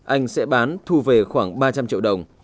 anh sẽ bán thu về khoảng ba trăm linh triệu đồng